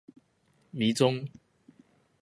迷蹤